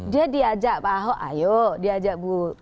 dia diajak pak ahok ayo diajak bu